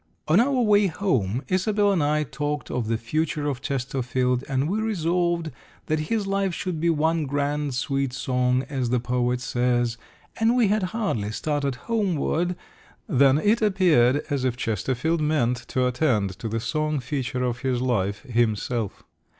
On our way home Isobel and I talked of the future of Chesterfield, and we resolved that his life should be one grand, sweet song, as the poet says, and we had hardly started homeward than it appeared as if Chesterfield meant to attend to the song feature of his life himself.